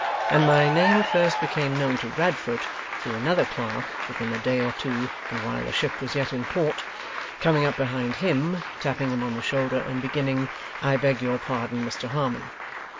And my name first became known to Radfoot, through another clerk within a day or two, and while the ship was yet in port, coming up behind him, tapping him on the shoulder and beginning, "I beg your pardon, Mr Harmon